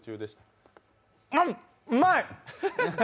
うまい！